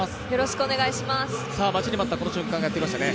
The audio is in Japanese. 待ちに待ったこの瞬間がやってまいりましたね。